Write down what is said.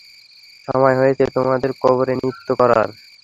সময় হয়েছে তোমাদের কবরে নৃত্য করার!